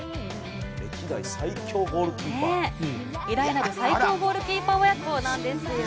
偉大なる最強ゴールキーパー親子なんですよ。